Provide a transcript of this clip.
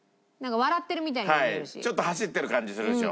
ちょっと走ってる感じするでしょ？